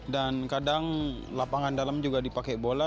dan kadang lapangan dalam juga dipakai bola